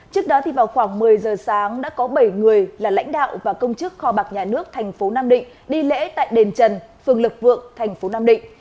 trước đó thì vào khoảng một mươi h sáng đã có bảy người là lãnh đạo và công chức kho bạc nhà nước tp nam định đi lễ tại đền trần phường lực vượng tp nam định